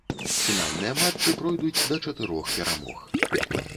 Фінальныя матчы пройдуць да чатырох перамог.